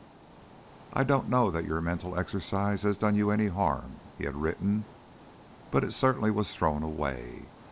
"I don't know that your mental exercise has done you any harm," he had written, "but it certainly was thrown away.